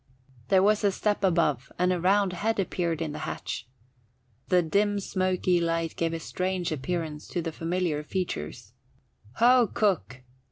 There was a step above and a round head appeared in the hatch. The dim smoky light gave a strange appearance to the familiar features. "Ho, cook!"